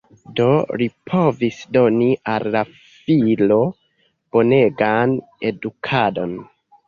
Do, li povis doni al la filo bonegan edukadon.